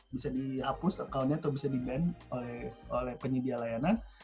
bisa dihapus accountnya atau bisa di ban oleh penyedia layanan